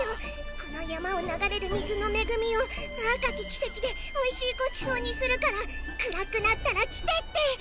このやまをながれるみずのめぐみをあかききせきでおいしいごちそうにするからくらくなったらきてって。